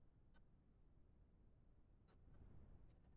Motoka ina mwanga mzigo wangu wa tomate yote